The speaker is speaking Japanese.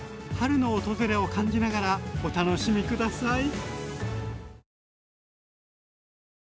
春の訪れを感じながらお楽しみ下さい！